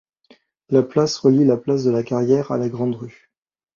La place relie la place de la Carrière à la Grande-Rue.